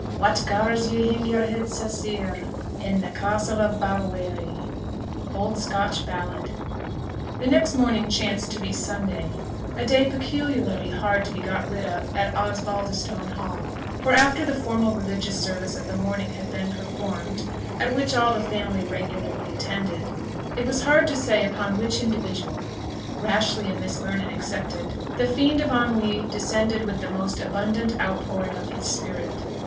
What gars ye hing your head sae sair In the castle of Balwearie? Old Scotch Ballad. The next morning chanced to be Sunday, a day peculiarly hard to be got rid of at Osbaldistone Hall; for after the formal religious service of the morning had been performed, at which all the family regularly attended, it was hard to say upon which individual, Rashleigh and Miss Vernon excepted, the fiend of ennui descended with the most abundant outpouring of his spirit.